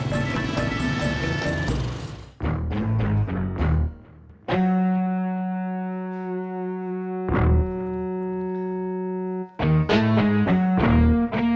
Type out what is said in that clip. kenapa kau diem seperti itu kok telepon lah dia